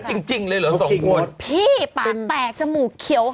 เชียร์กับหมอเจี๊ยบ